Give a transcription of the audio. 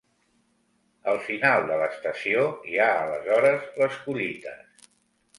Al final de l'estació hi ha aleshores les collites.